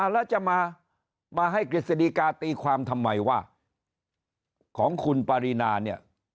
แล้วจะมาให้กฤษฎีกาตีความทำไมว่าของคุณปารีนาเนี่ย